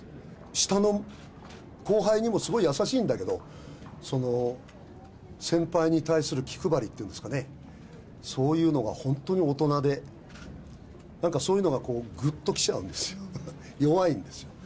下の後輩にもすごい優しいんだけど、その、先輩に対する気配りっていうんですかね、そういうのが本当に大人で、なんかそういうのがぐっときちゃうんですよ、弱いんですよ。